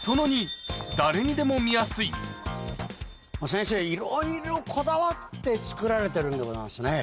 先生いろいろこだわって作られてるんでございますね。